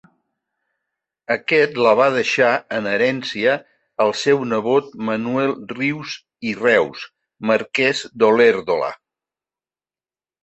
Aquest la va deixar en herència al seu nebot Manuel Rius i Reus, marquès d'Olèrdola.